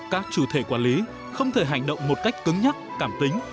các chủ thể quản lý không thể hành động một cách cứng nhắc cảm tính